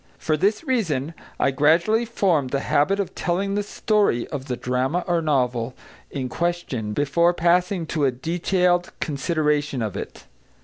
For this reason, I gradually formed the habit of telling the story of the drama or novel in question before passing to a detailed consideration of it.